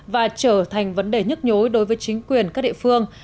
và trở thành vấn đề nhức nhối đối với chính quyền các địa phương